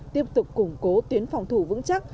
tiếp tục củng cố tuyến phòng thủ vững chắc